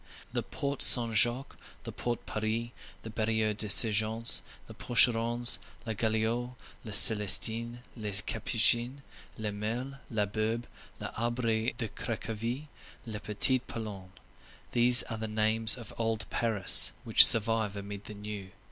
The Porte Saint Jacques, the Porte Paris, the Barrière des Sergents, the Porcherons, la Galiote, les Célestins, les Capucins, le Mail, la Bourbe, l'Arbre de Cracovie, la Petite Pologne—these are the names of old Paris which survive amid the new.